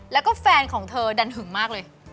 แล้วก็แฟนของเธอดันหึงมากเลย